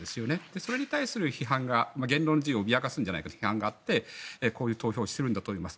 それに対する批判が言論の自由を脅かすんじゃないかとそういう批判があったのでこういう投票をしているんだと思います。